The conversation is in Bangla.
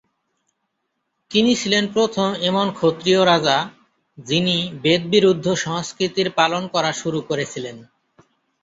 তিনি ছিলেন প্রথম এমন ক্ষত্রিয় রাজা, যিনি বেদ-বিরুদ্ধ সংস্কৃতির পালন করা শুরু করেছিলেন।